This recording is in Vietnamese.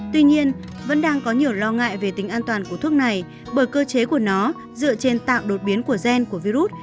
tuy nhiên vẫn đang có nhiều lo ngại về tính an toàn của thuốc này bởi cơ chế của nó dựa trên tạo đột biến của gen của virus